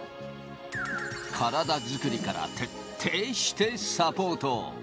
体づくりから徹底してサポート。